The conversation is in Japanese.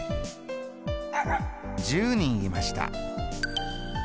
１０人いました。